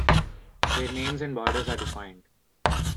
Their names and borders are defined.